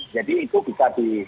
jadi itu bisa di